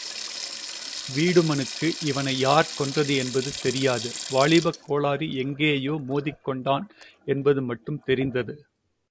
வீடுமனுக்கு இவனை யார் கொன்றது என்பது தெரியாது வாலிபக் கோளாறு எங்கேயோ மோதிக் கொண்டான் என்பது மட்டும் தெரிந்தது.